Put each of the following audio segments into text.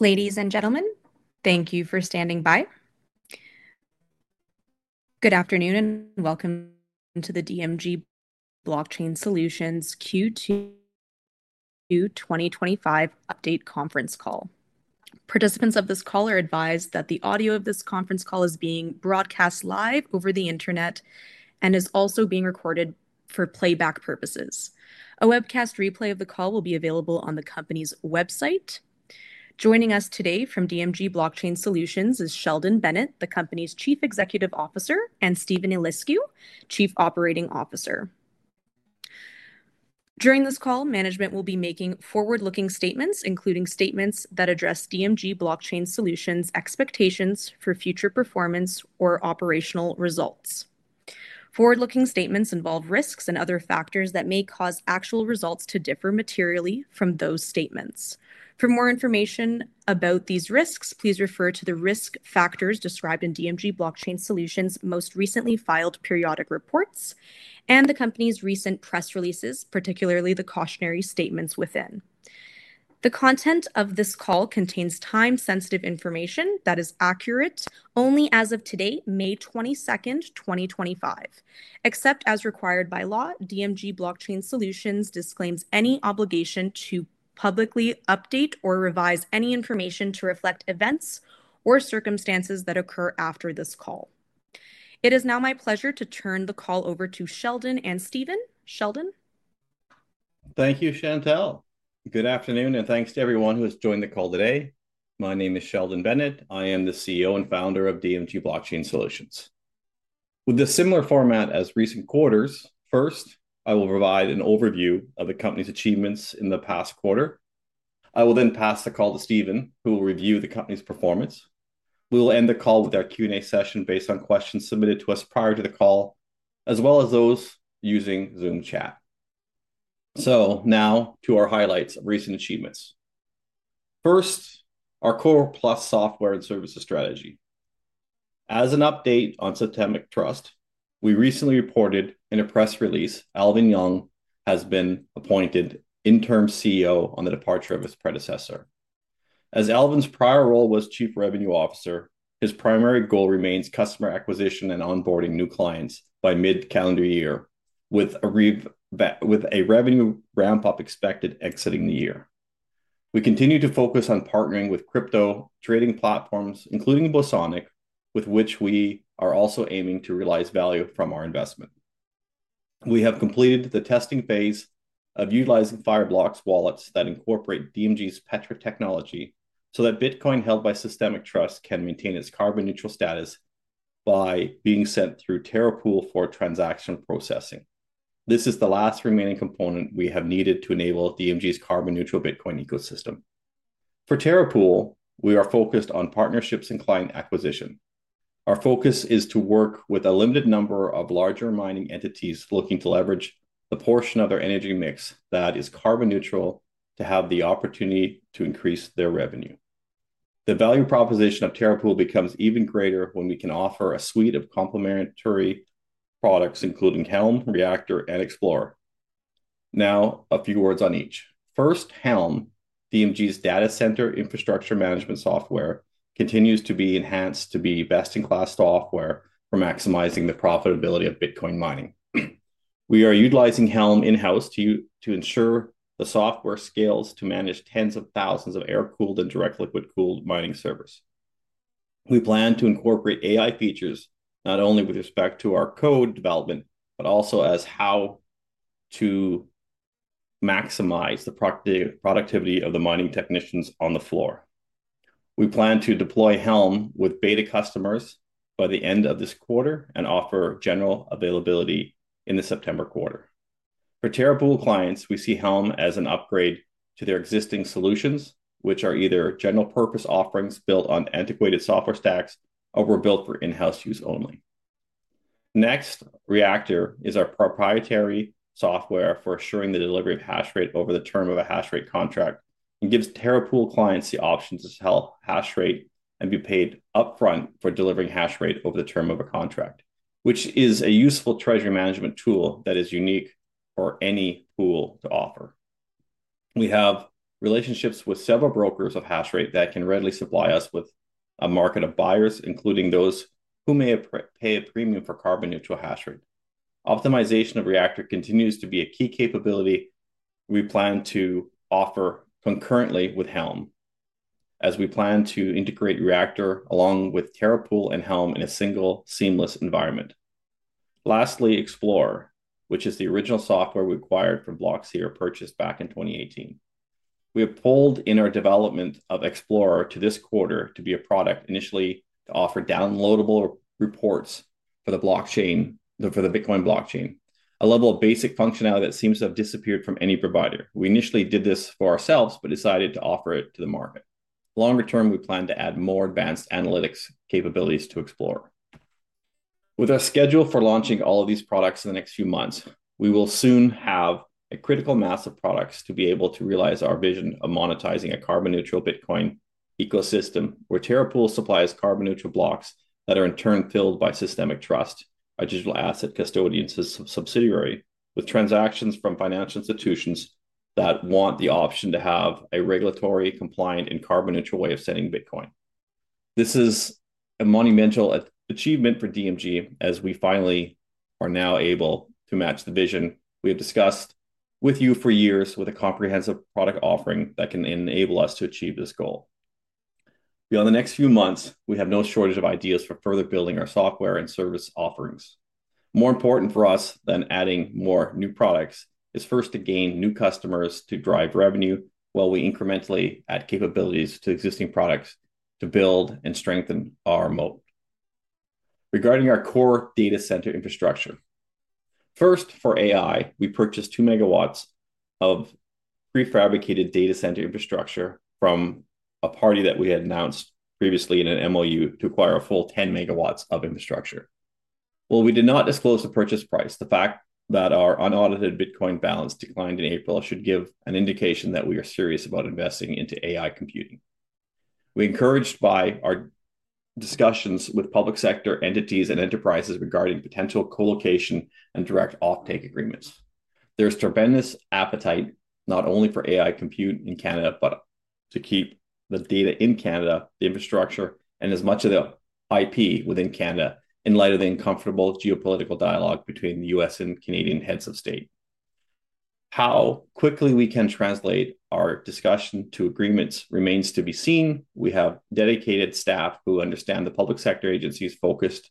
Ladies and gentlemen, thank you for standing by. Good afternoon and welcome to the DMG Blockchain Solutions Q2 2025 Update Conference Call. Participants of this call are advised that the audio of this conference call is being broadcast live over the Internet and is also being recorded for playback purposes. A webcast replay of the call will be available on the company's website. Joining us today from DMG Blockchain Solutions is Sheldon Bennett, the company's Chief Executive Officer, and Steven Eliscu, Chief Operating Officer. During this call, management will be making forward-looking statements, including statements that address DMG Blockchain Solutions' expectations for future performance or operational results. Forward-looking statements involve risks and other factors that may cause actual results to differ materially from those statements. For more information about these risks, please refer to the risk factors described in DMG Blockchain Solutions' most recently filed periodic reports and the company's recent press releases, particularly the cautionary statements within. The content of this call contains time-sensitive information that is accurate only as of today, May 22nd, 2025. Except as required by law, DMG Blockchain Solutions disclaims any obligation to publicly update or revise any information to reflect events or circumstances that occur after this call. It is now my pleasure to turn the call over to Sheldon and Steven. Sheldon. Thank you, Chantelle. Good afternoon and thanks to everyone who has joined the call today. My name is Sheldon Bennett. I am the CEO and founder of DMG Blockchain Solutions. With a similar format as recent quarters, first, I will provide an overview of the company's achievements in the past quarter. I will then pass the call to Steven, who will review the company's performance. We will end the call with our Q&A session based on questions submitted to us prior to the call, as well as those using Zoom chat. Now to our highlights of recent achievements. First, our Core+ software and services strategy. As an update on Systemic Trust, we recently reported in a press release that Alvin Young has been appointed interim CEO on the departure of his predecessor. As Alvin's prior role was Chief Revenue Officer, his primary goal remains customer acquisition and onboarding new clients by mid-calendar year, with a revenue ramp-up expected exiting the year. We continue to focus on partnering with crypto trading platforms, including Bosonic, with which we are also aiming to realize value from our investment. We have completed the testing phase of utilizing Fireblocks Wallets that incorporate DMG's Petra technology so that Bitcoin held by Systemic Trust can maintain its carbon-neutral status by being sent through Terra Pool for transaction processing. This is the last remaining component we have needed to enable DMG's carbon-neutral Bitcoin ecosystem. For Terra Pool, we are focused on partnerships and client acquisition. Our focus is to work with a limited number of larger mining entities looking to leverage the portion of their energy mix that is carbon-neutral to have the opportunity to increase their revenue. The value proposition of Terra Pool becomes even greater when we can offer a suite of complementary products, including Helm, Reactor, and Explorer. Now, a few words on each. First, Helm, DMG's data center infrastructure management software, continues to be enhanced to be best-in-class software for maximizing the profitability of Bitcoin mining. We are utilizing Helm in-house to ensure the software scales to manage tens of thousands of air-cooled and direct liquid-cooled mining servers. We plan to incorporate AI features not only with respect to our code development, but also as how to maximize the productivity of the mining technicians on the floor. We plan to deploy Helm with beta customers by the end of this quarter and offer general availability in the September quarter. For Terra Pool clients, we see Helm as an upgrade to their existing solutions, which are either general-purpose offerings built on antiquated software stacks or were built for in-house use only. Next, Reactor is our proprietary software for assuring the delivery of hash rate over the term of a hash rate contract and gives Terra Pool clients the option to sell hash rate and be paid upfront for delivering hash rate over the term of a contract, which is a useful treasury management tool that is unique for any pool to offer. We have relationships with several brokers of hash rate that can readily supply us with a market of buyers, including those who may pay a premium for carbon-neutral hash rate. Optimization of Reactor continues to be a key capability we plan to offer concurrently with Helm, as we plan to integrate Reactor along with Terra Pool and Helm in a single seamless environment. Lastly, Explorer, which is the original software we acquired from Blockseer purchased back in 2018. We have pulled in our development of Explorer to this quarter to be a product initially to offer downloadable reports for the Bitcoin blockchain, a level of basic functionality that seems to have disappeared from any provider. We initially did this for ourselves but decided to offer it to the market. Longer term, we plan to add more advanced analytics capabilities to Explorer. With our schedule for launching all of these products in the next few months, we will soon have a critical mass of products to be able to realize our vision of monetizing a carbon-neutral Bitcoin ecosystem where Terra Pool supplies carbon-neutral blocks that are in turn filled by Systemic Trust, a digital asset custodian subsidiary, with transactions from financial institutions that want the option to have a regulatory-compliant and carbon-neutral way of sending Bitcoin. This is a monumental achievement for DMG as we finally are now able to match the vision we have discussed with you for years with a comprehensive product offering that can enable us to achieve this goal. Beyond the next few months, we have no shortage of ideas for further building our software and service offerings. More important for us than adding more new products is first to gain new customers to drive revenue while we incrementally add capabilities to existing products to build and strengthen our moat. Regarding our core data center infrastructure, first for AI, we purchased 2 megawatts of prefabricated data center infrastructure from a party that we had announced previously in an MOU to acquire a full 10 megawatts of infrastructure. While we did not disclose the purchase price, the fact that our unaudited Bitcoin balance declined in April should give an indication that we are serious about investing into AI computing. We are encouraged by our discussions with public sector entities and enterprises regarding potential colocation and direct offtake agreements. There is tremendous appetite not only for AI compute in Canada, but to keep the data in Canada, the infrastructure, and as much of the IP within Canada in light of the uncomfortable geopolitical dialogue between the U.S. and Canadian heads of state. How quickly we can translate our discussion to agreements remains to be seen. We have dedicated staff who understand the public sector agencies focused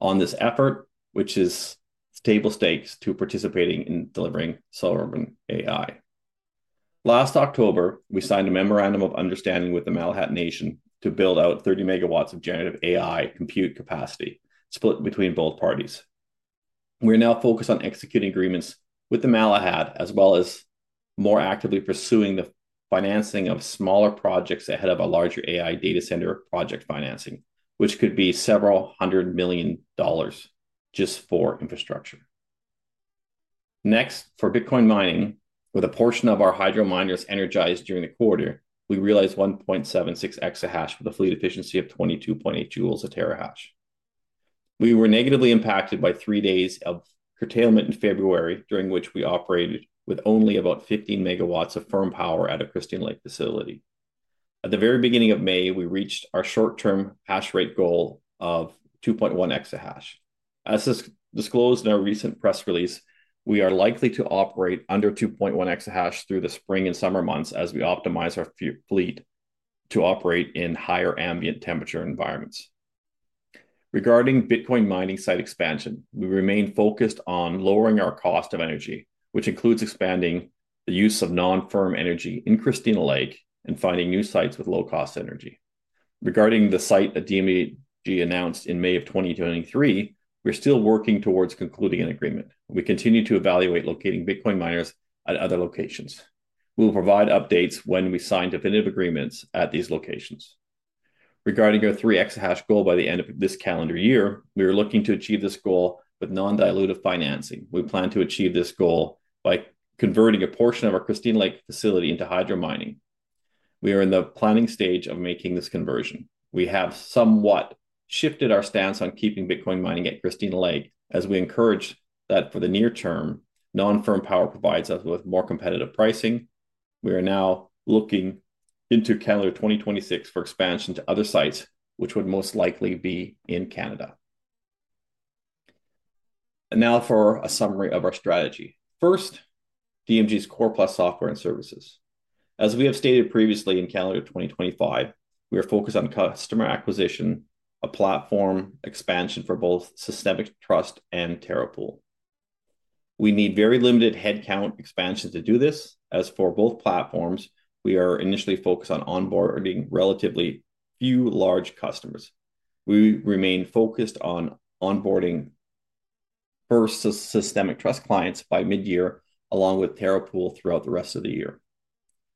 on this effort, which is table stakes to participating in delivering sovereign AI. Last October, we signed a memorandum of understanding with the Malahat Nation to build out 30 megawatts of generative AI compute capacity split between both parties. We are now focused on executing agreements with the Malahat as well as more actively pursuing the financing of smaller projects ahead of a larger AI data center project financing, which could be several hundred million dollars just for infrastructure. Next, for Bitcoin mining, with a portion of our hydro miners energized during the quarter, we realized 1.76 exahash with a fleet efficiency of 22.8 Joules per Terahash. We were negatively impacted by three days of curtailment in February, during which we operated with only about 15 megawatts of firm power at a Christina Lake facility. At the very beginning of May, we reached our short-term hash rate goal of 2.1 exahash. As disclosed in our recent press release, we are likely to operate under 2.1 exahash through the spring and summer months as we optimize our fleet to operate in higher ambient temperature environments. Regarding Bitcoin mining site expansion, we remain focused on lowering our cost of energy, which includes expanding the use of non-firm energy in Christina Lake and finding new sites with low-cost energy. Regarding the site that DMG announced in May of 2023, we're still working towards concluding an agreement. We continue to evaluate locating Bitcoin miners at other locations. We will provide updates when we sign definitive agreements at these locations. Regarding our 3 exahash goal by the end of this calendar year, we are looking to achieve this goal with non-dilutive financing. We plan to achieve this goal by converting a portion of our Christina Lake facility into hydro mining. We are in the planning stage of making this conversion. We have somewhat shifted our stance on keeping Bitcoin mining at Christina Lake as we encourage that for the near term, non-firm power provides us with more competitive pricing. We are now looking into calendar 2026 for expansion to other sites, which would most likely be in Canada. Now for a summary of our strategy. First, DMG's Core+ software and services. As we have stated previously in calendar 2025, we are focused on customer acquisition, a platform expansion for both Systemic Trust and Terra Pool. We need very limited headcount expansion to do this. As for both platforms, we are initially focused on onboarding relatively few large customers. We remain focused on onboarding first Systemic Trust clients by mid-year, along with Terra Pool throughout the rest of the year.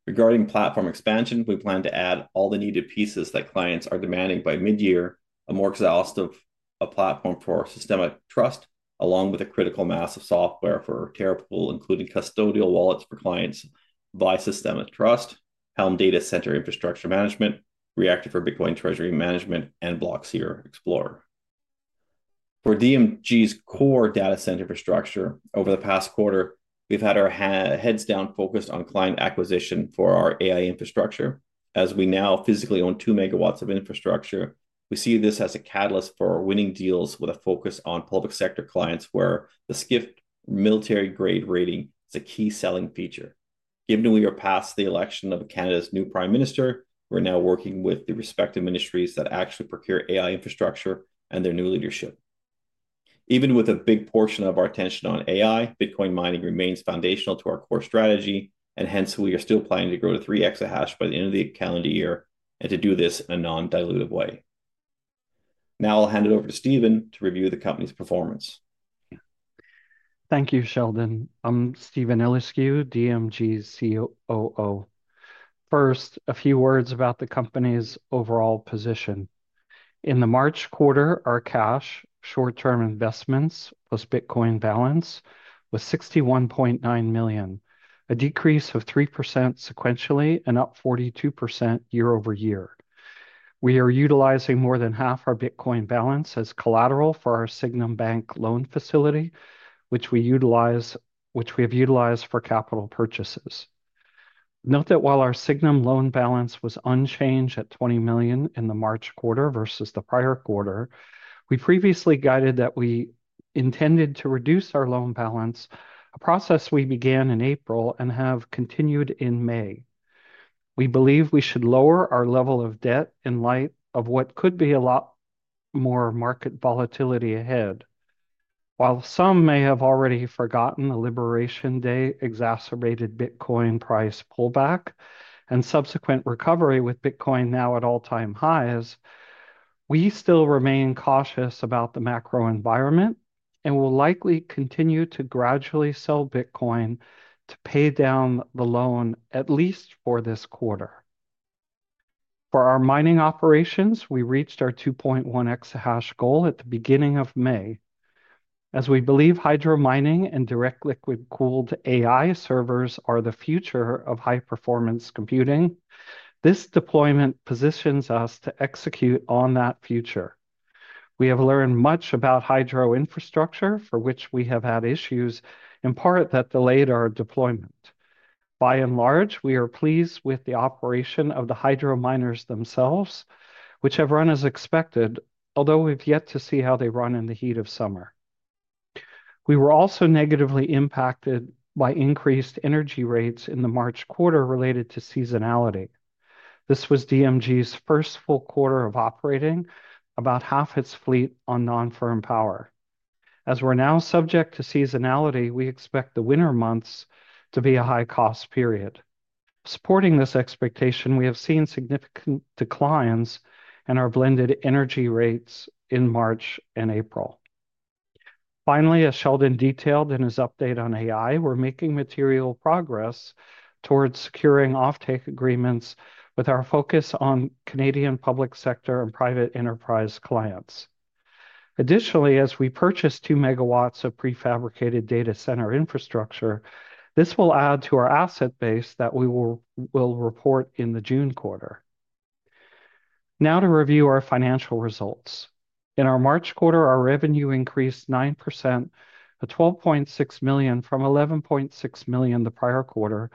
Regarding platform expansion, we plan to add all the needed pieces that clients are demanding by mid-year, a more exhaustive platform for Systemic Trust, along with a critical mass of software for Terra Pool, including custodial wallets for clients by Systemic Trust, Helm data center infrastructure management, Reactor for Bitcoin treasury management, and Blockseer Explorer. For DMG's core data center infrastructure, over the past quarter, we've had our heads down focused on client acquisition for our AI infrastructure. As we now physically own 2 megawatts of infrastructure, we see this as a catalyst for winning deals with a focus on public sector clients where the SCIF military-grade rating is a key selling feature. Given we are past the election of Canada's new Prime Minister, we're now working with the respective ministries that actually procure AI infrastructure and their new leadership. Even with a big portion of our attention on AI, Bitcoin mining remains foundational to our core strategy, and hence we are still planning to grow to 3 exahash by the end of the calendar year and to do this in a non-dilutive way. Now I'll hand it over to Steven to review the company's performance. Thank you, Sheldon. I'm Steven Eliscu, DMG's COO. First, a few words about the company's overall position. In the March quarter, our cash short-term investments plus Bitcoin balance was $61.9 million, a decrease of 3% sequentially and up 42% year-over-year. We are utilizing more than half our Bitcoin balance as collateral for our Sygnum Bank loan facility, which we have utilized for capital purchases. Note that while our Sygnum loan balance was unchanged at $20 million in the March quarter versus the prior quarter, we previously guided that we intended to reduce our loan balance, a process we began in April and have continued in May. We believe we should lower our level of debt in light of what could be a lot more market volatility ahead. While some may have already forgotten the Liberation Day exacerbated Bitcoin price pullback and subsequent recovery with Bitcoin now at all-time highs, we still remain cautious about the macro environment and will likely continue to gradually sell Bitcoin to pay down the loan at least for this quarter. For our mining operations, we reached our 2.1 exahash goal at the beginning of May. As we believe hydro mining and direct liquid-cooled AI servers are the future of high-performance computing, this deployment positions us to execute on that future. We have learned much about hydro infrastructure for which we have had issues, in part that delayed our deployment. By and large, we are pleased with the operation of the hydro miners themselves, which have run as expected, although we've yet to see how they run in the heat of summer. We were also negatively impacted by increased energy rates in the March quarter related to seasonality. This was DMG's first full quarter of operating about half its fleet on non-firm power. As we're now subject to seasonality, we expect the winter months to be a high-cost period. Supporting this expectation, we have seen significant declines in our blended energy rates in March and April. Finally, as Sheldon detailed in his update on AI, we're making material progress towards securing offtake agreements with our focus on Canadian public sector and private enterprise clients. Additionally, as we purchase 2 megawatts of prefabricated data center infrastructure, this will add to our asset base that we will report in the June quarter. Now to review our financial results. In our March quarter, our revenue increased 9%, at $12.6 million from $11.6 million the prior quarter.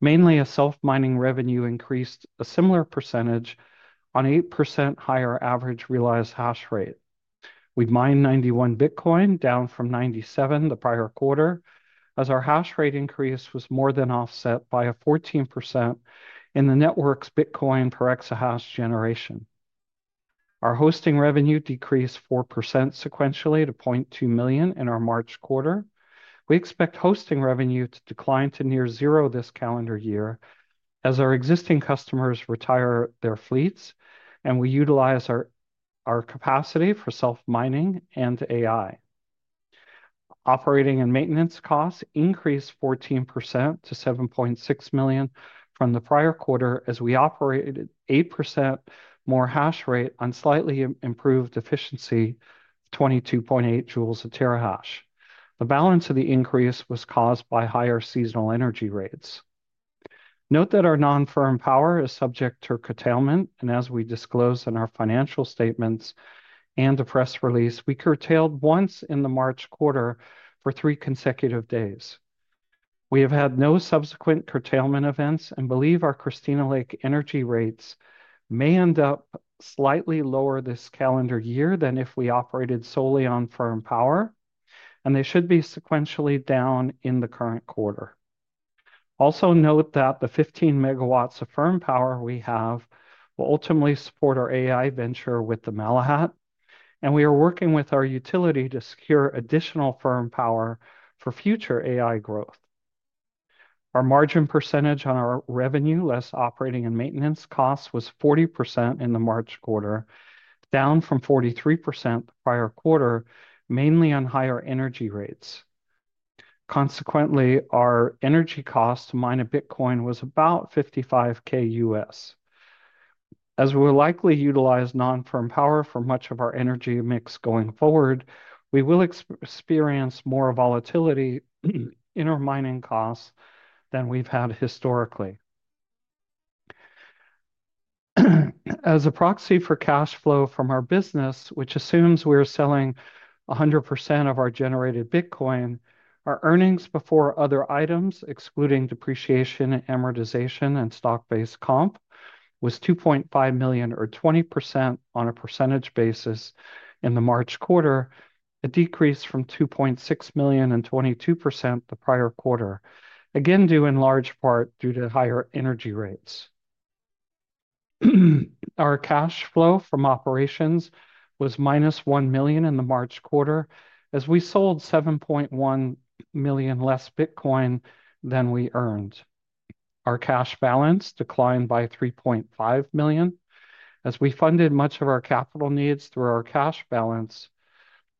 Mainly, self-mining revenue increased a similar percentage on 8% higher average realized hashrate. We mined 91 Bitcoin, down from 97 the prior quarter, as our hashrate increase was more than offset by a 14% in the network's Bitcoin per exahash generation. Our hosting revenue decreased 4% sequentially to $0.2 million in our March quarter. We expect hosting revenue to decline to near zero this calendar year as our existing customers retire their fleets and we utilize our capacity for self-mining and AI. Operating and maintenance costs increased 14% to $7.6 million from the prior quarter as we operated 8% more hashrate on slightly improved efficiency, 22.8 Joules per Terahash. The balance of the increase was caused by higher seasonal energy rates. Note that our non-firm power is subject to curtailment, and as we disclose in our financial statements and a press release, we curtailed once in the March quarter for three consecutive days. We have had no subsequent curtailment events and believe our Christina Lake energy rates may end up slightly lower this calendar year than if we operated solely on firm power, and they should be sequentially down in the current quarter. Also note that the 15 megawatts of firm power we have will ultimately support our AI venture with the Malahat, and we are working with our utility to secure additional firm power for future AI growth. Our margin percentage on our revenue less operating and maintenance costs was 40% in the March quarter, down from 43% the prior quarter, mainly on higher energy rates. Consequently, our energy cost to mine a Bitcoin was about $55,000 U.S. As we will likely utilize non-firm power for much of our energy mix going forward, we will experience more volatility in our mining costs than we've had historically. As a proxy for cash flow from our business, which assumes we are selling 100% of our generated Bitcoin, our earnings before other items, excluding depreciation, amortization, and stock-based comp, was $2.5 million, or 20% on a percentage basis in the March quarter, a decrease from $2.6 million and 22% the prior quarter, again due in large part due to higher energy rates. Our cash flow from operations was -$1 million in the March quarter as we sold $7.1 million less Bitcoin than we earned. Our cash balance declined by $3.5 million as we funded much of our capital needs through our cash balance,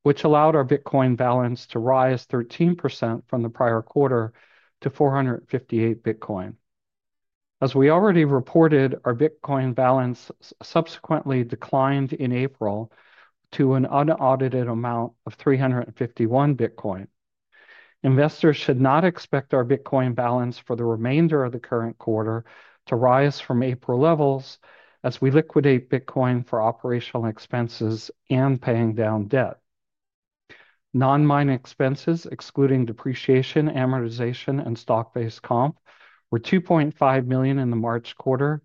which allowed our Bitcoin balance to rise 13% from the prior quarter to 458 Bitcoin. As we already reported, our Bitcoin balance subsequently declined in April to an unaudited amount of 351 Bitcoin. Investors should not expect our Bitcoin balance for the remainder of the current quarter to rise from April levels as we liquidate Bitcoin for operational expenses and paying down debt. Non-mining expenses, excluding depreciation, amortization, and stock-based comp, were $2.5 million in the March quarter,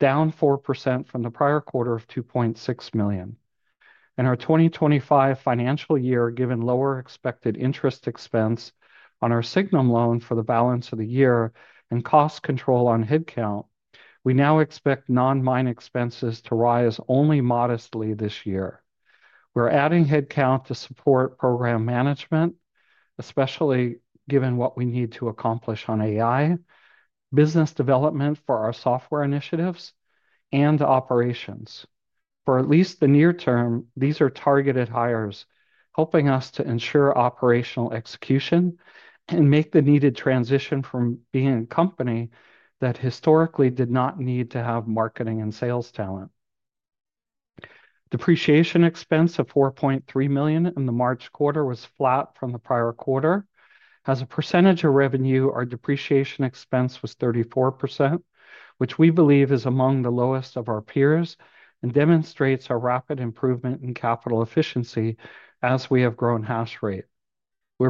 down 4% from the prior quarter of $2.6 million. In our 2025 financial year, given lower expected interest expense on our Signum loan for the balance of the year and cost control on headcount, we now expect non-mining expenses to rise only modestly this year. We're adding headcount to support program management, especially given what we need to accomplish on AI, business development for our software initiatives, and operations. For at least the near term, these are targeted hires, helping us to ensure operational execution and make the needed transition from being a company that historically did not need to have marketing and sales talent. Depreciation expense of $4.3 million in the March quarter was flat from the prior quarter. As a percentage of revenue, our depreciation expense was 34%, which we believe is among the lowest of our peers and demonstrates our rapid improvement in capital efficiency as we have grown hash rate. We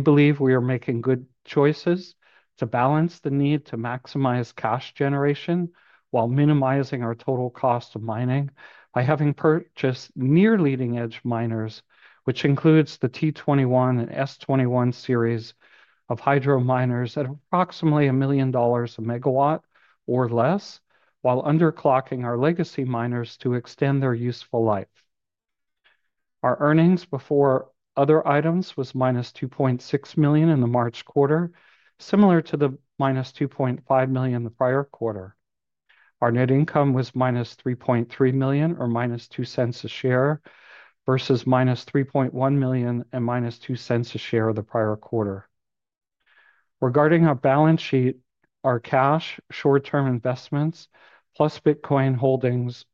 believe we are making good choices to balance the need to maximize cash generation while minimizing our total cost of mining by having purchased near leading-edge miners, which includes the T21 and S21 series of hydro miners at approximately $1 million a megawatt or less, while underclocking our legacy miners to extend their useful life. Our earnings before other items was -$2.6 million in the March quarter, similar to the -$2.5 million the prior quarter. Our net income was -$3.3 million, or -$0.02 a share, versus -$3.1 million and -$0.02 a share of the prior quarter. Regarding our balance sheet, our cash short-term investments plus Bitcoin holdings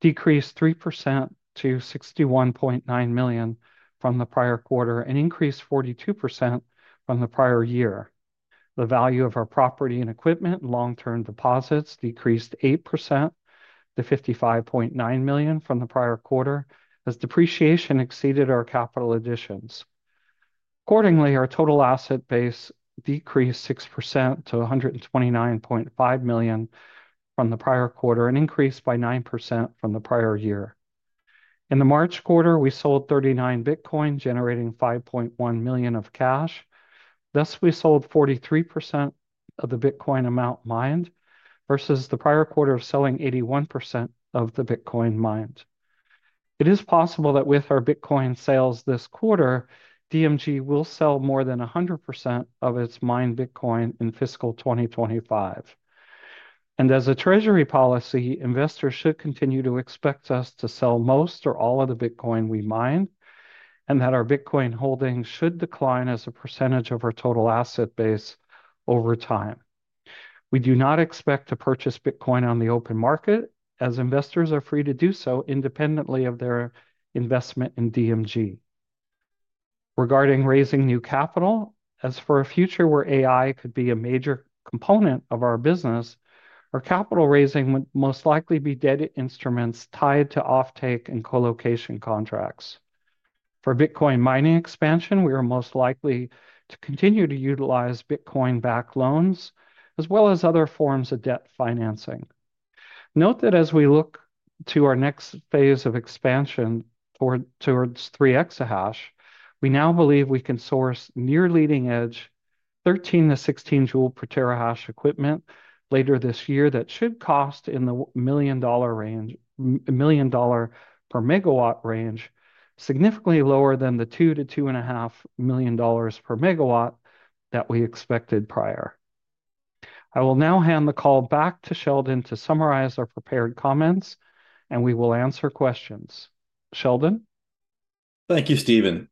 decreased 3% to $61.9 million from the prior quarter and increased 42% from the prior year. The value of our property and equipment and long-term deposits decreased 8% to $55.9 million from the prior quarter as depreciation exceeded our capital additions. Accordingly, our total asset base decreased 6% to $129.5 million from the prior quarter and increased by 9% from the prior year. In the March quarter, we sold 39 Bitcoin, generating $5.1 million of cash. Thus, we sold 43% of the Bitcoin amount mined versus the prior quarter of selling 81% of the Bitcoin mined. It is possible that with our Bitcoin sales this quarter, DMG will sell more than 100% of its mined Bitcoin in fiscal 2025. As a Treasury policy, investors should continue to expect us to sell most or all of the Bitcoin we mine and that our Bitcoin holdings should decline as a percentage of our total asset base over time. We do not expect to purchase Bitcoin on the open market as investors are free to do so independently of their investment in DMG. Regarding raising new capital, as for a future where AI could be a major component of our business, our capital raising would most likely be debt instruments tied to offtake and colocation contracts. For Bitcoin mining expansion, we are most likely to continue to utilize Bitcoin-backed loans as well as other forms of debt financing. Note that as we look to our next phase of expansion towards 3 exahash, we now believe we can source near leading-edge 13-16 Joules per Terahash equipment later this year that should cost in the million dollar range, million dollar per megawatt range, significantly lower than the $2 million-$2.5 million per megawatt that we expected prior. I will now hand the call back to Sheldon to summarize our prepared comments, and we will answer questions. Sheldon. Thank you, Steven.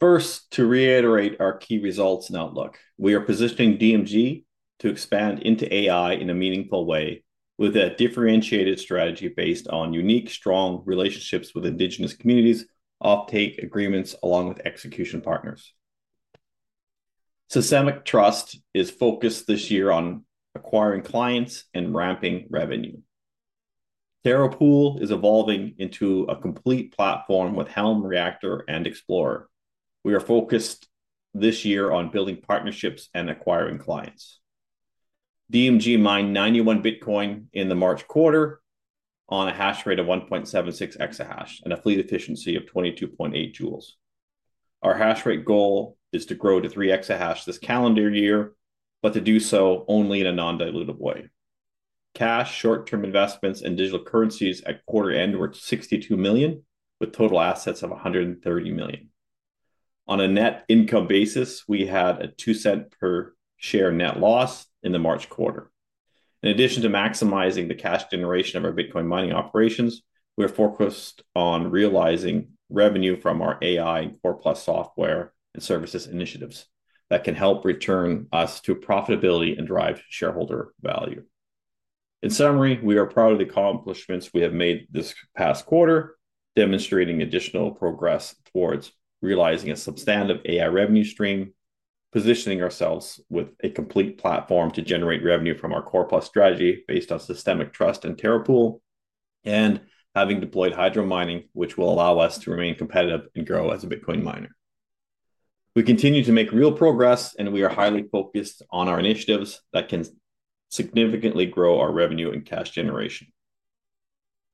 First, to reiterate our key results and outlook, we are positioning DMG to expand into AI in a meaningful way with a differentiated strategy based on unique, strong relationships with indigenous communities, offtake agreements, along with execution partners. Systemic Trust is focused this year on acquiring clients and ramping revenue. Terra Pool is evolving into a complete platform with Helm, Reactor, and Explorer. We are focused this year on building partnerships and acquiring clients. DMG mined 91 Bitcoin in the March quarter on a hash rate of 1.76 exahash and a fleet efficiency of 22.8 Joules. Our hash rate goal is to grow to 3 exahash this calendar year, but to do so only in a non-dilutive way. Cash, short-term investments, and digital currencies at quarter end were $62 million, with total assets of $130 million. On a net income basis, we had a $0.02 per share net loss in the March quarter. In addition to maximizing the cash generation of our Bitcoin mining operations, we are focused on realizing revenue from our AI and Core+ software and services initiatives that can help return us to profitability and drive shareholder value. In summary, we are proud of the accomplishments we have made this past quarter, demonstrating additional progress towards realizing a substantive AI revenue stream, positioning ourselves with a complete platform to generate revenue from our Core+ strategy based on Systemic Trust and Terra Pool, and having deployed hydro mining, which will allow us to remain competitive and grow as a Bitcoin miner. We continue to make real progress, and we are highly focused on our initiatives that can significantly grow our revenue and cash generation.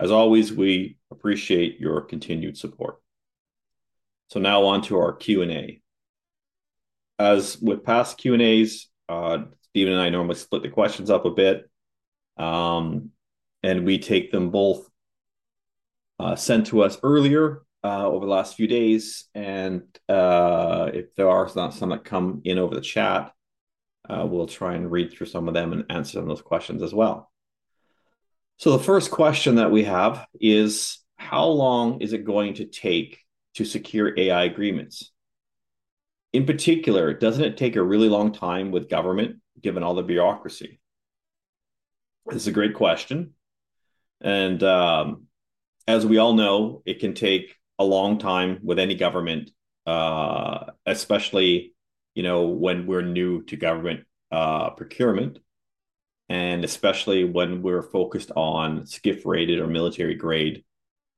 As always, we appreciate your continued support. Now on to our Q&A. As with past Q&As, Steven and I normally split the questions up a bit, and we take them both sent to us earlier over the last few days. If there are some that come in over the chat, we'll try and read through some of them and answer some of those questions as well. The first question that we have is, how long is it going to take to secure AI agreements? In particular, doesn't it take a really long time with government, given all the bureaucracy? This is a great question. As we all know, it can take a long time with any government, especially when we're new to government procurement, and especially when we're focused on SCIF-rated or military-grade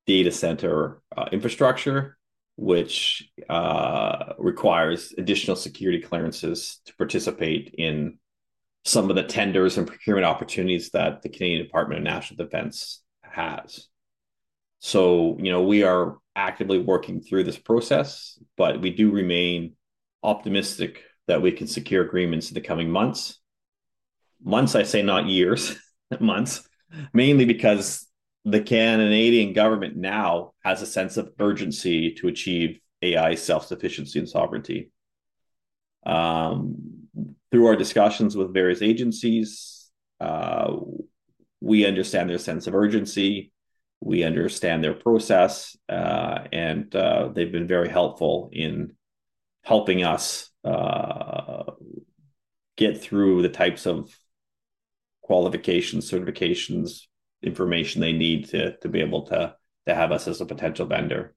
data center infrastructure, which requires additional security clearances to participate in some of the tenders and procurement opportunities that the Canadian Department of National Defense has. We are actively working through this process, but we do remain optimistic that we can secure agreements in the coming months. Months, I say not years, months, mainly because the Canadian government now has a sense of urgency to achieve AI self-sufficiency and sovereignty. Through our discussions with various agencies, we understand their sense of urgency. We understand their process, and they've been very helpful in helping us get through the types of qualifications, certifications, information they need to be able to have us as a potential vendor.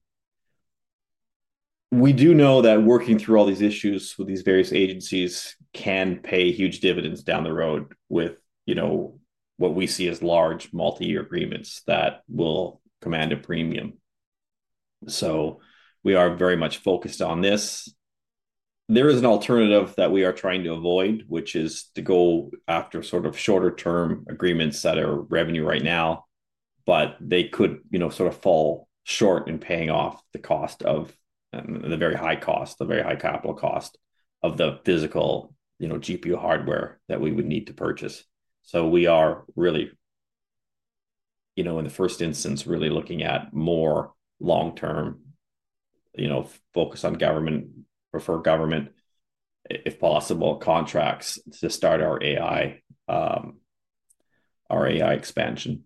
We do know that working through all these issues with these various agencies can pay huge dividends down the road with what we see as large multi-year agreements that will command a premium. We are very much focused on this. There is an alternative that we are trying to avoid, which is to go after sort of shorter-term agreements that are revenue right now, but they could sort of fall short in paying off the cost of the very high cost, the very high capital cost of the physical GPU hardware that we would need to purchase. We are really, in the first instance, really looking at more long-term, focus on government, prefer government, if possible, contracts to start our AI expansion.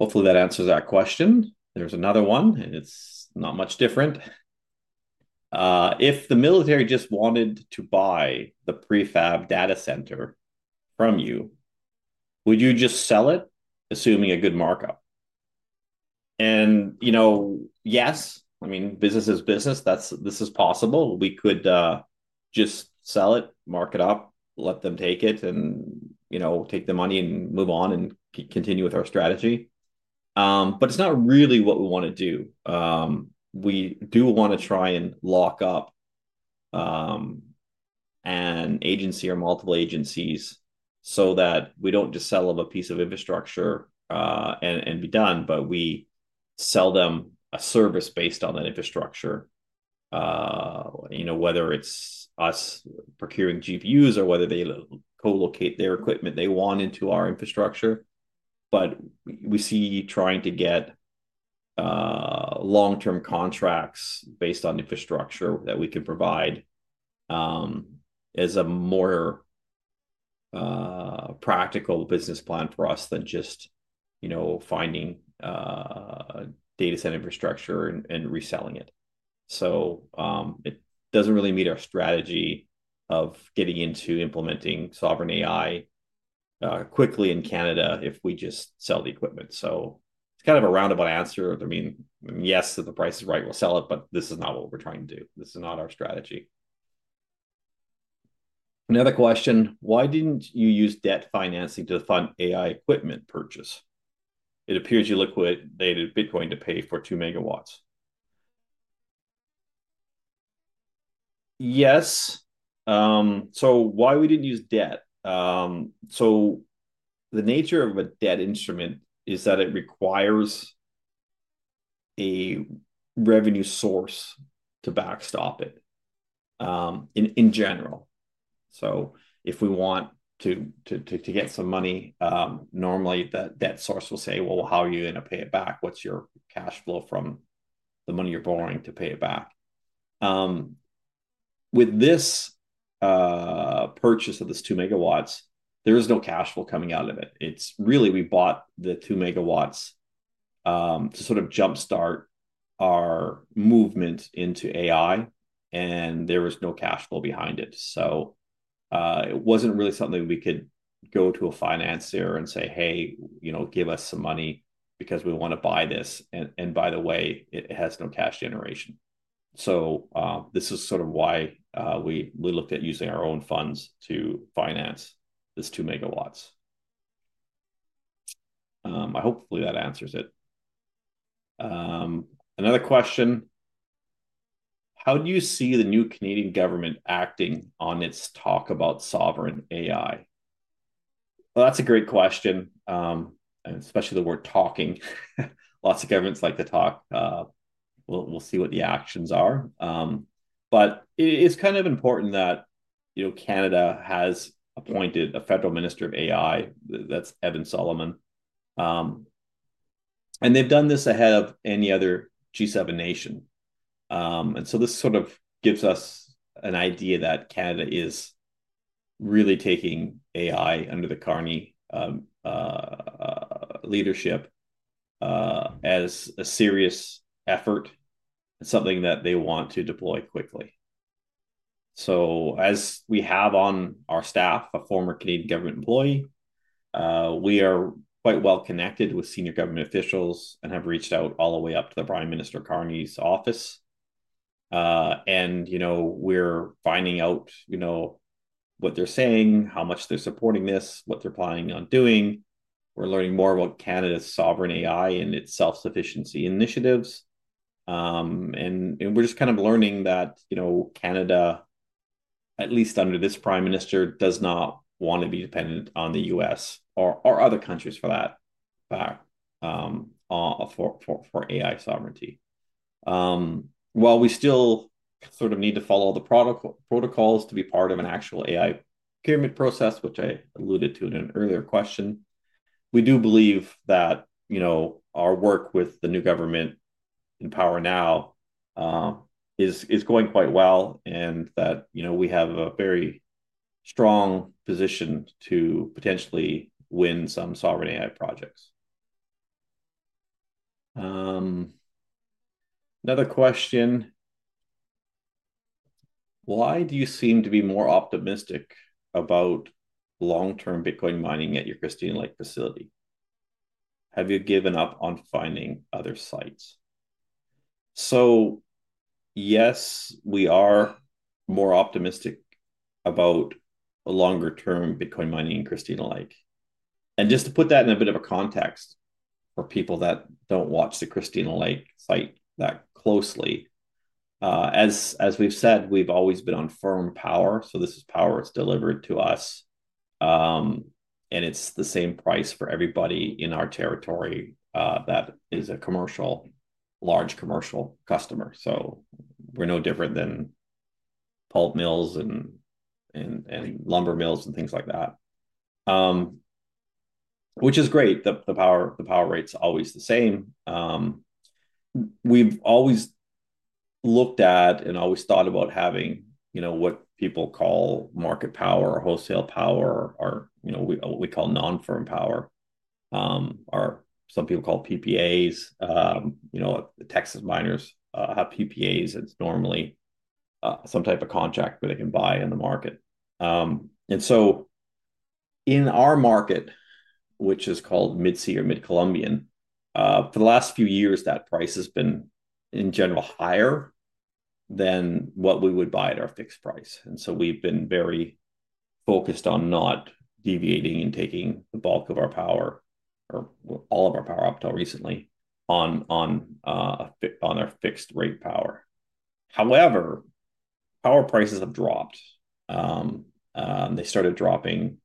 Hopefully, that answers that question. There is another one, and it is not much different. If the military just wanted to buy the prefab data center from you, would you just sell it, assuming a good markup? Yes, I mean, business is business. This is possible. We could just sell it, mark it up, let them take it, and take the money and move on and continue with our strategy. But it's not really what we want to do. We do want to try and lock up an agency or multiple agencies so that we don't just sell them a piece of infrastructure and be done, but we sell them a service based on that infrastructure, whether it's us procuring GPUs or whether they colocate their equipment they want into our infrastructure. We see trying to get long-term contracts based on infrastructure that we can provide is a more practical business plan for us than just finding data center infrastructure and reselling it. It doesn't really meet our strategy of getting into implementing sovereign AI quickly in Canada if we just sell the equipment. It's kind of a roundabout answer. I mean, yes, if the price is right, we'll sell it, but this is not what we're trying to do. This is not our strategy. Another question, why didn't you use debt financing to fund AI equipment purchase? It appears you liquidated Bitcoin to pay for 2 megawatts. Yes. So why we didn't use debt? The nature of a debt instrument is that it requires a revenue source to backstop it in general. If we want to get some money, normally that debt source will say, "How are you going to pay it back? What's your cash flow from the money you're borrowing to pay it back?" With this purchase of this 2 megawatts, there is no cash flow coming out of it. We bought the 2 megawatts to sort of jumpstart our movement into AI, and there was no cash flow behind it. It was not really something we could go to a financier and say, "Hey, give us some money because we want to buy this." By the way, it has no cash generation. This is sort of why we looked at using our own funds to finance this 2 megawatts. I hope that answers it. Another question, how do you see the new Canadian government acting on its talk about sovereign AI? That is a great question, and especially the word talking. Lots of governments like to talk. We will see what the actions are. It is kind of important that Canada has appointed a federal minister of AI. That is Evan Solomon. They have done this ahead of any other G7 nation. This sort of gives us an idea that Canada is really taking AI under the Carney leadership as a serious effort and something that they want to deploy quickly. As we have on our staff a former Canadian government employee, we are quite well connected with senior government officials and have reached out all the way up to Prime Minister Carney's office. We are finding out what they're saying, how much they're supporting this, what they're planning on doing. We're learning more about Canada's sovereign AI and its self-sufficiency initiatives. We're just kind of learning that Canada, at least under this Prime Minister, does not want to be dependent on the US or other countries for that, for AI sovereignty. While we still sort of need to follow the protocols to be part of an actual AI procurement process, which I alluded to in an earlier question, we do believe that our work with the new government in power now is going quite well and that we have a very strong position to potentially win some sovereign AI projects. Another question, why do you seem to be more optimistic about long-term Bitcoin mining at your Christina Lake facility? Have you given up on finding other sites? Yes, we are more optimistic about longer-term Bitcoin mining in Christina Lake. Just to put that in a bit of context for people that do not watch the Christina Lake site that closely, as we have said, we have always been on firm power. This is power that's delivered to us, and it's the same price for everybody in our territory that is a commercial, large commercial customer. We're no different than pulp mills and lumber mills and things like that, which is great. The power rate's always the same. We've always looked at and always thought about having what people call market power or wholesale power or what we call non-firm power, or some people call PPAs. Texas miners have PPAs. It's normally some type of contract where they can buy in the market. In our market, which is called Mid-C or Mid-Columbian, for the last few years, that price has been, in general, higher than what we would buy at our fixed price. We have been very focused on not deviating and taking the bulk of our power or all of our power up until recently on our fixed-rate power. However, power prices have dropped. They started dropping,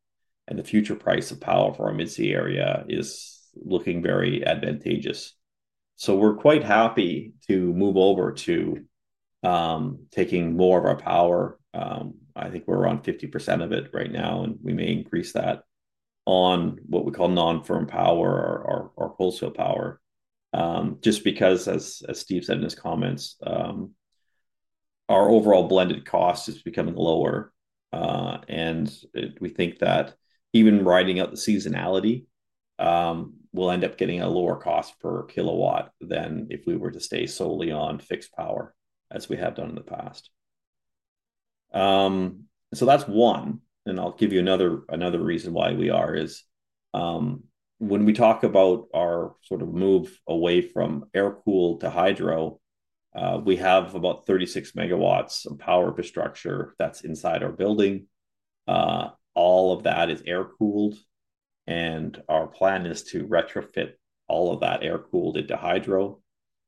and the future price of power for our Mid-C area is looking very advantageous. We are quite happy to move over to taking more of our power. I think we are around 50% of it right now, and we may increase that on what we call non-firm power or wholesale power, just because, as Steve said in his comments, our overall blended cost is becoming lower. We think that even riding up the seasonality, we will end up getting a lower cost per kilowatt than if we were to stay solely on fixed power, as we have done in the past. That is one. I'll give you another reason why we are is when we talk about our sort of move away from air-cooled to hydro, we have about 36 megawatts of power infrastructure that's inside our building. All of that is air-cooled, and our plan is to retrofit all of that air-cooled into hydro,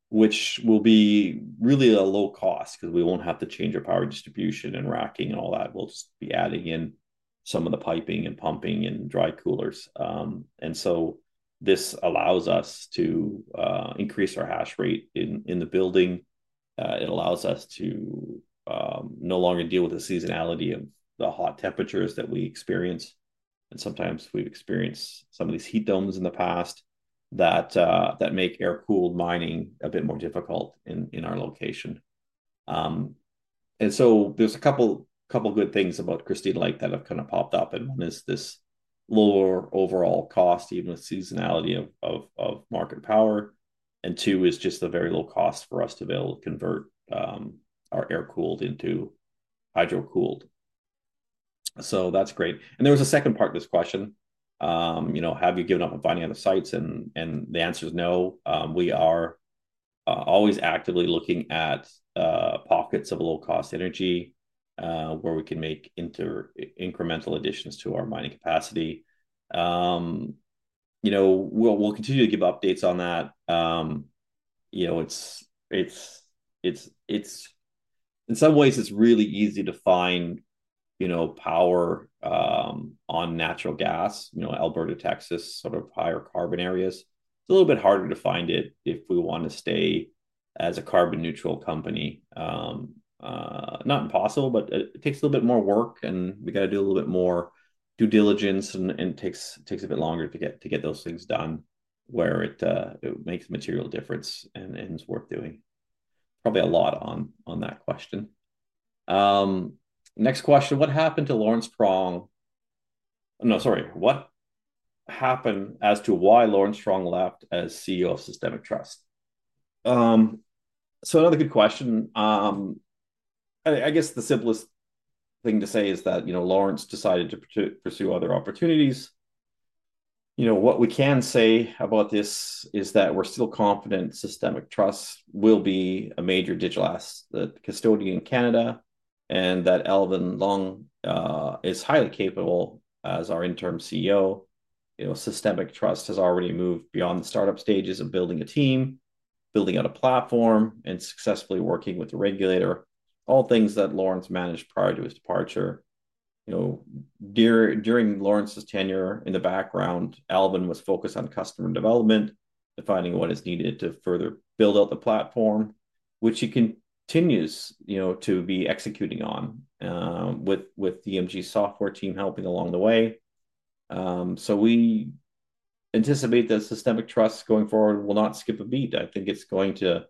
which will be really a low cost because we won't have to change our power distribution and racking and all that. We'll just be adding in some of the piping and pumping and dry coolers. This allows us to increase our hash rate in the building. It allows us to no longer deal with the seasonality of the hot temperatures that we experience. Sometimes we've experienced some of these heat domes in the past that make air-cooled mining a bit more difficult in our location. There are a couple of good things about Christina Lake that have kind of popped up. One is this lower overall cost, even with seasonality of market power. Two is just the very low cost for us to be able to convert our air-cooled into hydro-cooled. That is great. There was a second part of this question, "Have you given up on finding other sites?" The answer is no. We are always actively looking at pockets of low-cost energy where we can make incremental additions to our mining capacity. We will continue to give updates on that. In some ways, it is really easy to find power on natural gas, Alberta, Texas, sort of higher carbon areas. It is a little bit harder to find it if we want to stay as a carbon-neutral company. Not impossible, but it takes a little bit more work, and we got to do a little bit more due diligence, and it takes a bit longer to get those things done where it makes a material difference and is worth doing. Probably a lot on that question. Next question, what happened to Lawrence Truong? No, sorry. What happened as to why Lawrence Truong left as CEO of Systemic Trust? So another good question. I guess the simplest thing to say is that Lawrence decided to pursue other opportunities. What we can say about this is that we're still confident Systemic Trust will be a major digital asset custodian in Canada and that Alvin Young is highly capable as our interim CEO. Systemic Trust has already moved beyond the startup stages of building a team, building out a platform, and successfully working with the regulator, all things that Lawrence managed prior to his departure. During Lawrence's tenure in the background, Alvin was focused on customer development, defining what is needed to further build out the platform, which he continues to be executing on with the DMG software team helping along the way. We anticipate that Systemic Trust going forward will not skip a beat. I think it's going to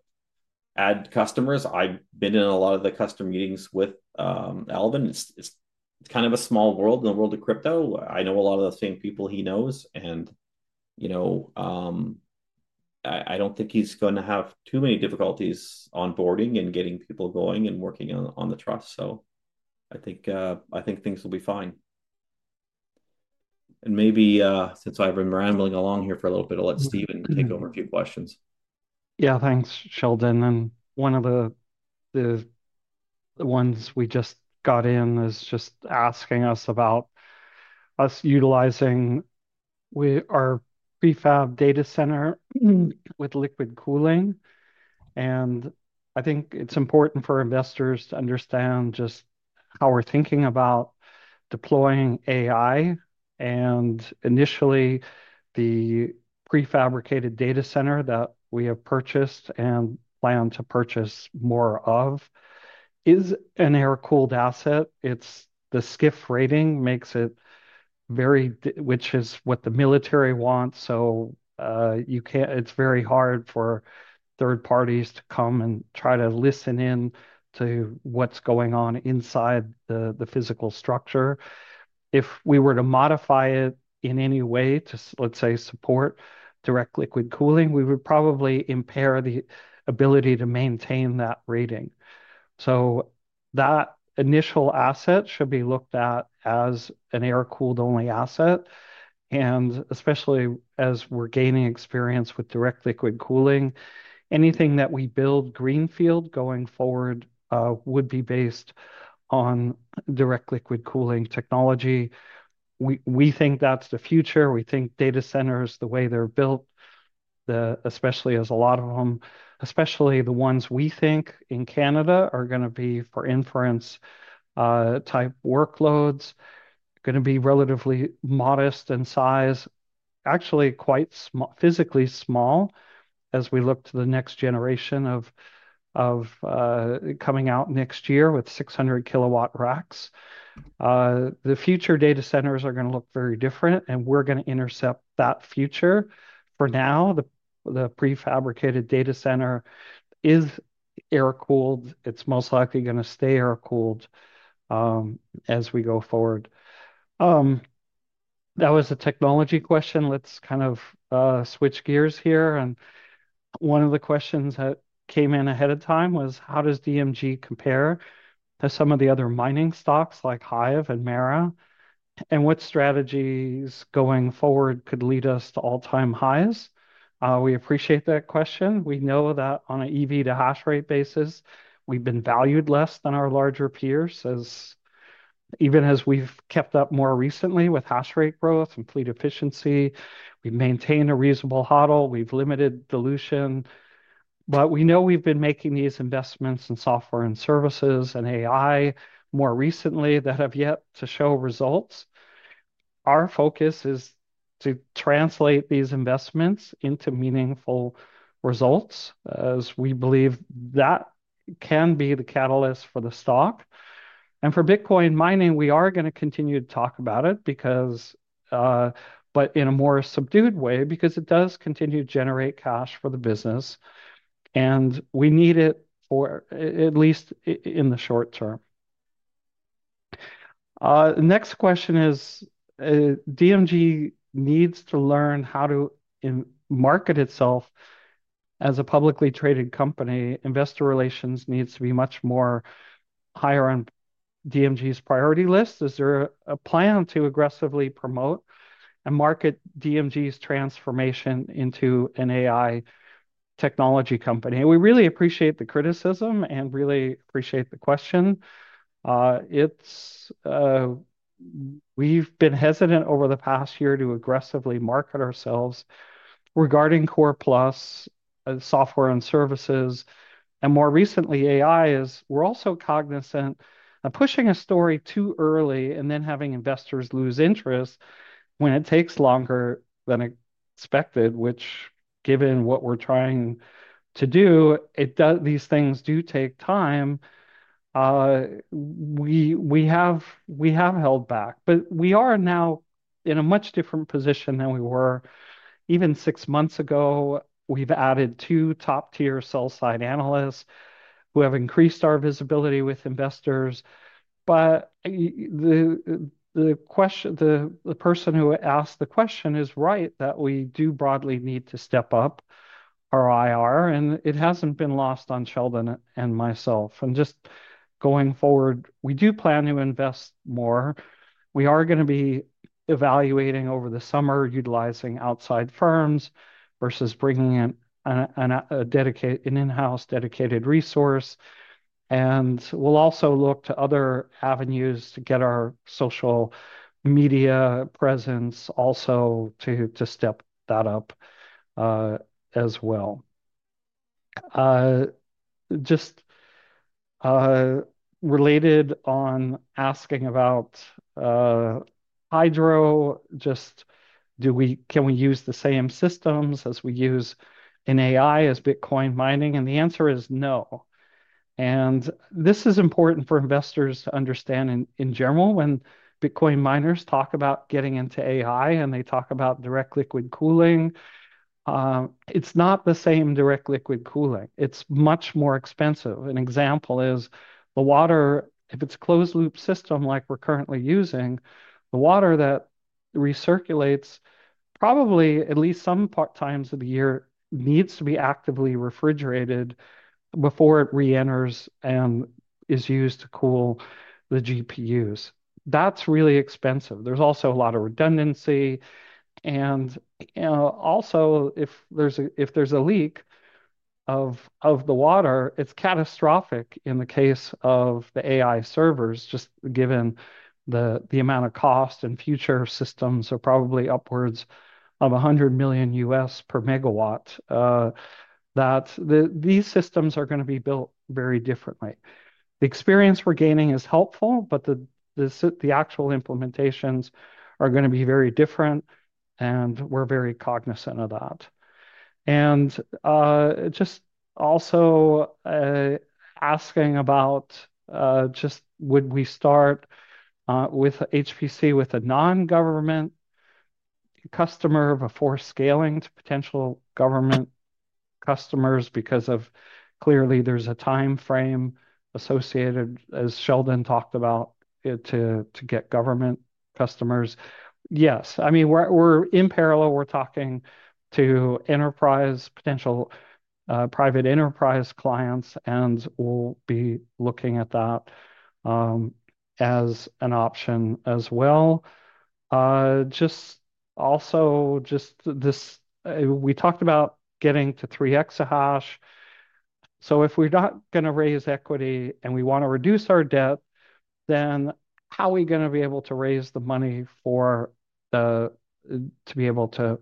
add customers. I've been in a lot of the customer meetings with Alvin. It's kind of a small world in the world of crypto. I know a lot of the same people he knows. I don't think he's going to have too many difficulties onboarding and getting people going and working on the trust. I think things will be fine. Maybe since I've been rambling along here for a little bit, I'll let Steven take over a few questions. Yeah, thanks, Sheldon. One of the ones we just got in is just asking us about us utilizing our prefab data center with liquid cooling. I think it's important for investors to understand just how we're thinking about deploying AI. Initially, the prefabricated data center that we have purchased and plan to purchase more of is an air-cooled asset. Its SCIF rating makes it very—which is what the military wants. It is very hard for third parties to come and try to listen in to what's going on inside the physical structure. If we were to modify it in any way to, let's say, support direct liquid cooling, we would probably impair the ability to maintain that rating. That initial asset should be looked at as an air-cooled-only asset. Especially as we're gaining experience with direct liquid cooling, anything that we build greenfield going forward would be based on direct liquid cooling technology. We think that's the future. We think data centers, the way they're built, especially as a lot of them, especially the ones we think in Canada, are going to be for inference-type workloads, going to be relatively modest in size, actually quite physically small as we look to the next generation coming out next year with 600 kilowatt racks. The future data centers are going to look very different, and we're going to intercept that future. For now, the prefabricated data center is air-cooled. It's most likely going to stay air-cooled as we go forward. That was a technology question. Let's kind of switch gears here. One of the questions that came in ahead of time was, how does DMG compare to some of the other mining stocks like HIVE and MARA? What strategies going forward could lead us to all-time highs? We appreciate that question. We know that on an EV to hashrate basis, we've been valued less than our larger peers, even as we've kept up more recently with hashrate growth and fleet efficiency. We've maintained a reasonable huddle. We've limited dilution. We know we've been making these investments in software and services and AI more recently that have yet to show results. Our focus is to translate these investments into meaningful results as we believe that can be the catalyst for the stock. For Bitcoin mining, we are going to continue to talk about it, but in a more subdued way because it does continue to generate cash for the business. We need it at least in the short term. Next question is, DMG needs to learn how to market itself as a publicly traded company. Investor relations needs to be much higher on DMG's priority list. Is there a plan to aggressively promote and market DMG's transformation into an AI technology company? We really appreciate the criticism and really appreciate the question. We've been hesitant over the past year to aggressively market ourselves regarding Core+ software and services, and more recently, AI, as we're also cognizant of pushing a story too early and then having investors lose interest when it takes longer than expected, which, given what we're trying to do, these things do take time. We have held back, but we are now in a much different position than we were even six months ago. We've added two top-tier sell-side analysts who have increased our visibility with investors. The person who asked the question is right that we do broadly need to step up our IR, and it hasn't been lost on Sheldon and myself. Just going forward, we do plan to invest more. We are going to be evaluating over the summer, utilizing outside firms versus bringing in an in-house dedicated resource. We'll also look to other avenues to get our social media presence also to step that up as well. Just related on asking about hydro, just can we use the same systems as we use in AI as Bitcoin mining? The answer is no. This is important for investors to understand in general. When Bitcoin miners talk about getting into AI and they talk about direct liquid cooling, it's not the same direct liquid cooling. It's much more expensive. An example is the water, if it's a closed-loop system like we're currently using, the water that recirculates probably at least some times of the year needs to be actively refrigerated before it reenters and is used to cool the GPUs. That's really expensive. There's also a lot of redundancy. Also, if there's a leak of the water, it's catastrophic in the case of the AI servers, just given the amount of cost and future systems are probably upwards of $100 million per megawatt, that these systems are going to be built very differently. The experience we're gaining is helpful, but the actual implementations are going to be very different, and we're very cognizant of that. Just also asking about would we start with HPC with a non-government customer before scaling to potential government customers because clearly there is a time frame associated, as Sheldon talked about, to get government customers. Yes. I mean, we are in parallel. We are talking to enterprise, potential private enterprise clients, and we will be looking at that as an option as well. Just also, we talked about getting to 3 exahash. If we are not going to raise equity and we want to reduce our debt, then how are we going to be able to raise the money to be able to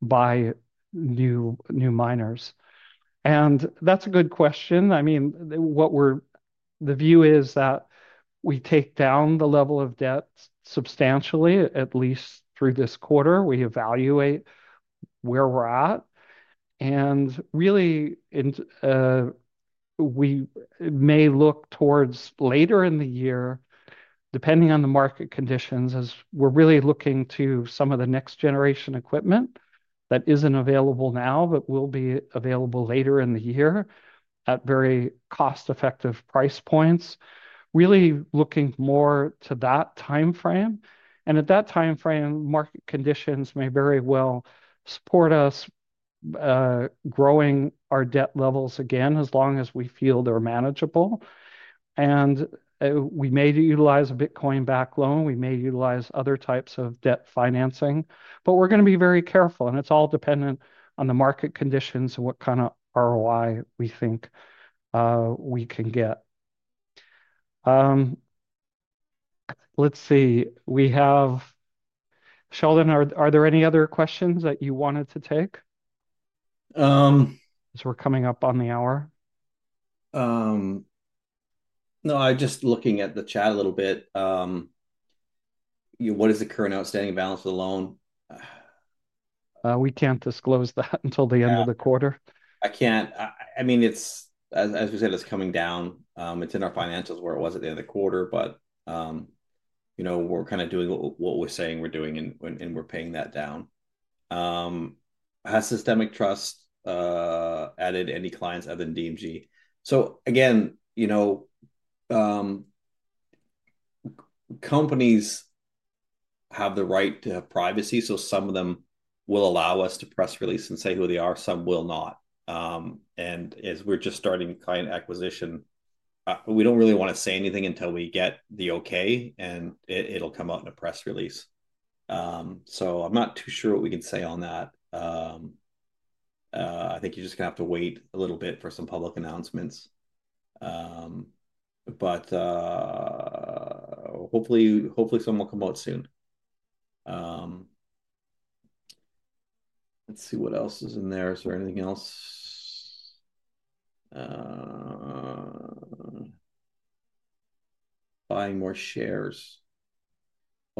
buy new miners? That is a good question. I mean, the view is that we take down the level of debt substantially, at least through this quarter. We evaluate where we are at. Really, we may look towards later in the year, depending on the market conditions, as we are really looking to some of the next generation equipment that is not available now but will be available later in the year at very cost-effective price points, really looking more to that time frame. At that time frame, market conditions may very well support us growing our debt levels again as long as we feel they are manageable. We may utilize a Bitcoin back loan. We may utilize other types of debt financing. We are going to be very careful, and it is all dependent on the market conditions and what kind of ROI we think we can get. Let's see. Sheldon, are there any other questions that you wanted to take as we are coming up on the hour? No, I am just looking at the chat a little bit. What is the current outstanding balance of the loan? We can't disclose that until the end of the quarter. I can't. I mean, as we said, it's coming down. It's in our financials where it was at the end of the quarter, but we're kind of doing what we're saying we're doing, and we're paying that down. Has Systemic Trust added any clients other than DMG? Again, companies have the right to have privacy. Some of them will allow us to press release and say who they are. Some will not. As we're just starting client acquisition, we don't really want to say anything until we get the okay, and it will come out in a press release. I'm not too sure what we can say on that. I think you're just going to have to wait a little bit for some public announcements. Hopefully, someone will come out soon. Let's see what else is in there. Is there anything else? Buying more shares.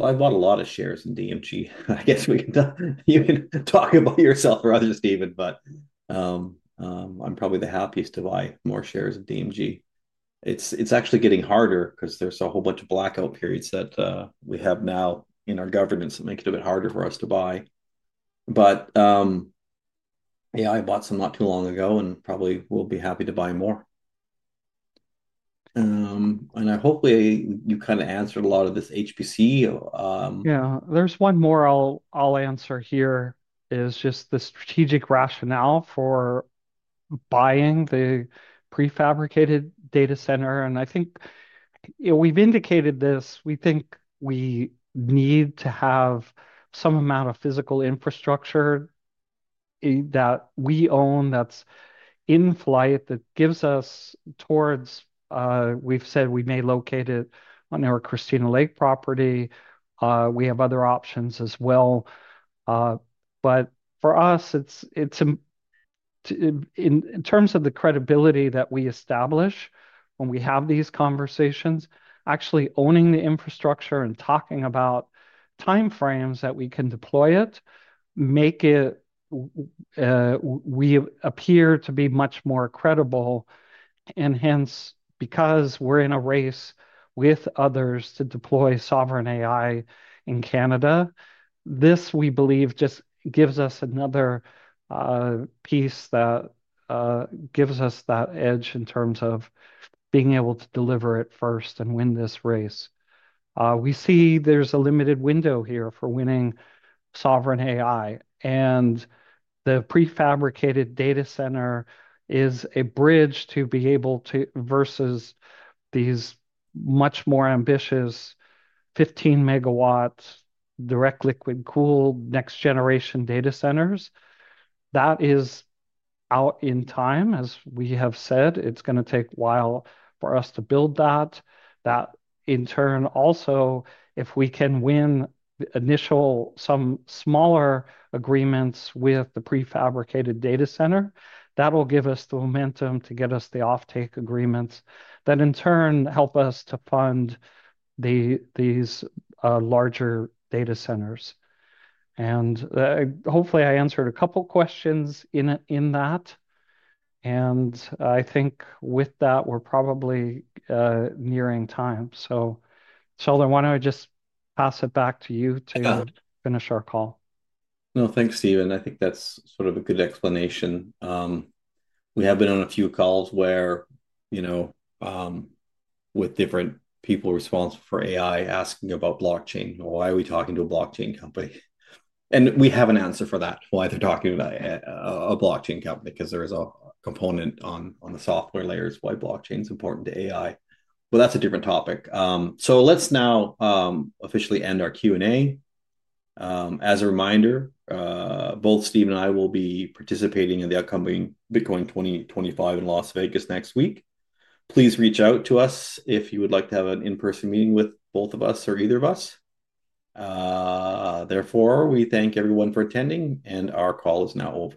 I bought a lot of shares in DMG. I guess you can talk about yourself rather than Steven, but I'm probably the happiest to buy more shares of DMG. It's actually getting harder because there's a whole bunch of blackout periods that we have now in our governance that make it a bit harder for us to buy. I bought some not too long ago, and probably will be happy to buy more. I hopefully kind of answered a lot of this HPC. There's one more I'll answer here, which is just the strategic rationale for buying the prefabricated data center. I think we've indicated this. We think we need to have some amount of physical infrastructure that we own that's in flight that gives us towards we've said we may locate it on our Christina Lake property. We have other options as well. For us, in terms of the credibility that we establish when we have these conversations, actually owning the infrastructure and talking about time frames that we can deploy it, we appear to be much more credible. Hence, because we're in a race with others to deploy sovereign AI in Canada, this we believe just gives us another piece that gives us that edge in terms of being able to deliver it first and win this race. We see there's a limited window here for winning sovereign AI. The prefabricated data center is a bridge to be able to versus these much more ambitious 15 megawatt direct liquid cooled next generation data centers. That is out in time, as we have said. It is going to take a while for us to build that. That in turn, also if we can win initial some smaller agreements with the prefabricated data center, that will give us the momentum to get us the offtake agreements that in turn help us to fund these larger data centers. Hopefully, I answered a couple of questions in that. I think with that, we are probably nearing time. Sheldon, why do I not just pass it back to you to finish our call? No, thanks, Steven. I think that is sort of a good explanation. We have been on a few calls where with different people responsible for AI asking about blockchain, why are we talking to a blockchain company? We have an answer for that. Why they're talking about a blockchain company is because there is a component on the software layers why blockchain is important to AI. That is a different topic. Let us now officially end our Q&A. As a reminder, both Steve and I will be participating in the upcoming Bitcoin 2025 in Las Vegas next week. Please reach out to us if you would like to have an in-person meeting with both of us or either of us. Therefore, we thank everyone for attending, and our call is now over.